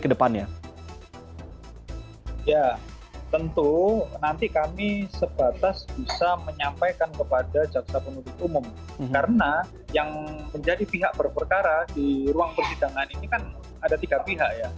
mengingat bahwa bahwa mereka juga dikatakan sudah mendapatkan izin dari pengadilan lalu apakah apa